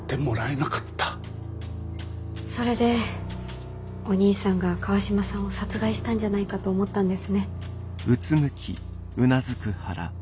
それでお兄さんが川島さんを殺害したんじゃないかと思ったんですね。